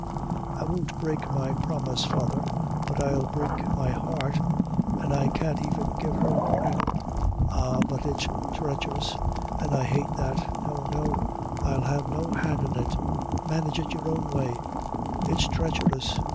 "I won't break my promise, father, but I'll break my heart; an' I can't even give her warnin'. Ah! but it's threacherous an' I hate that. No, no I'll have no hand in it manage it your own way it's threacherous.